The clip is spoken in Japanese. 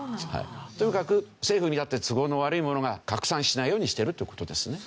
とにかく政府にとって都合の悪いものが拡散しないようにしてるって事ですね。